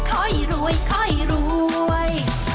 ค่อยรวยค่อยรวย